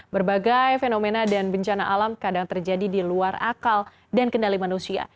berbagai fenomena dan bencana alam kadang terjadi di luar akal dan kendali manusia